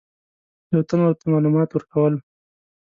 یو تن ورته معلومات ورکول.